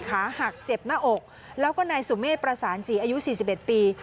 ขาหักเจ็บหน้าอกแล้วก็นายสุเมษประสานสี่อายุสี่สิบเอ็ดปี